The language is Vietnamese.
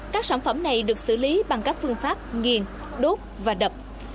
các sản phẩm này được xử lý bằng các phương pháp nghiền đốt và đập